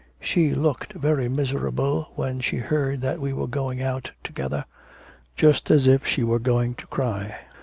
She looked very miserable when she heard that we were going out together. Just as if she were going to cry.